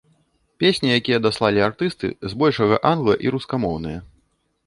Песні, якія даслалі артысты, збольшага англа- і рускамоўныя.